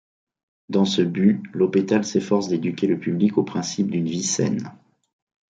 Dans ce but, l’hôpital s’efforce d’éduquer le public aux principes d'une vie saine.